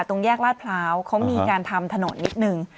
ตรงแยกลาดพร้าวเขามีการทำถนนนิดนึง